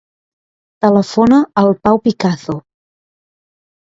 Telefona al Pau Picazo.